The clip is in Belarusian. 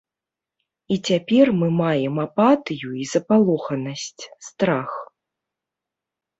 І цяпер мы маем апатыю і запалоханасць, страх.